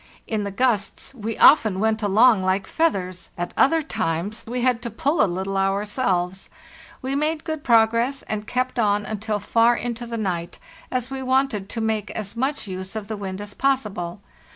In the gusts we often went along like feathers, at other times we had to pull a little ourselves. We made good prog ress, and kept on until far into the night, as we wanted to make as much use of the wind as possible.